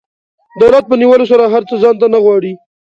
دولت په نیولو سره هر څه ځان ته نه غواړي.